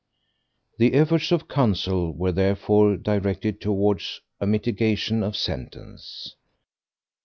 The efforts of counsel were therefore directed towards a mitigation of sentence.